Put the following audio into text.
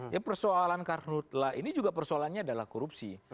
ya persoalan karhutlah ini juga persoalannya adalah korupsi